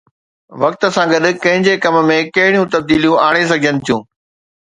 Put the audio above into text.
وقت سان گڏ ڪنهن جي ڪم ۾ ڪهڙيون تبديليون آڻي سگهجن ٿيون